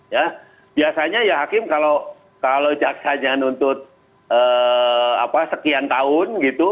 ya biasanya ya hakim kalau jaksanya nuntut sekian tahun gitu